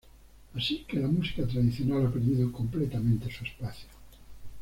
Así que la música tradicional ha perdido completamente su espacio.